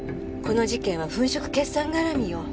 この事件は粉飾決算絡みよ。